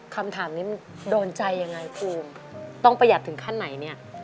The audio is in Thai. คำถามนี้มันโดนใจยังไงภูมิต้องประหยัดถึงขั้นไหนเนี่ย